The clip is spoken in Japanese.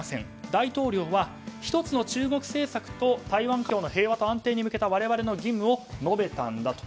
大統領は一つの中国政策と台湾海峡の平和と安定に向けた我々の義務を述べたんだと。